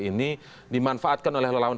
ini dimanfaatkan oleh lawan